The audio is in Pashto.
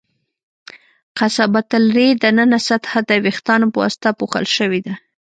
قصبة الریې د ننه سطحه د وېښتانو په واسطه پوښل شوې ده.